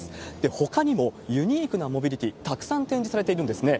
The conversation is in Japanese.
ほかにもユニークなモビリティ、たくさん展示されているんですね。